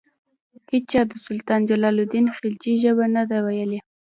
هیچا د سلطان جلال الدین خلجي ژبه نه ده ویلي.